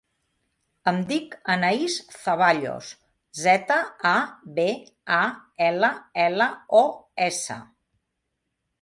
Em dic Anaïs Zaballos: zeta, a, be, a, ela, ela, o, essa.